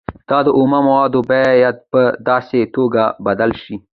دا اومه مواد باید په داسې توکو بدل شي